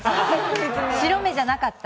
白目じゃなかった？